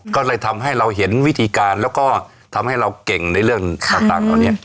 ก็เลยทำให้เราเห็นวิธีการแล้วก็ทำให้เราเก่งในเรื่องต่างเหล่านี้